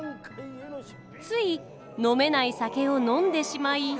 つい飲めない酒を飲んでしまい。